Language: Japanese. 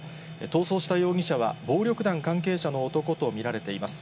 逃走した容疑者は暴力団関係者の男と見られています。